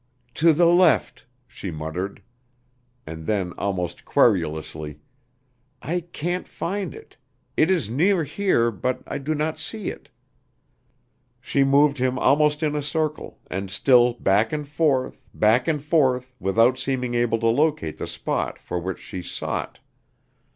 "To the left," she muttered. And then almost querulously, "I can't find it. It is near here, but I do not see it." She moved him almost in a circle, and still back and forth, back and forth without seeming able to locate the spot for which she sought.